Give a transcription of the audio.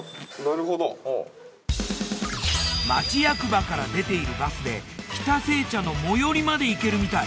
町役場から出ているバスで喜多製茶の最寄りまで行けるみたい。